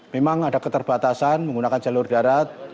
memang ada keterbatasan menggunakan jalur darat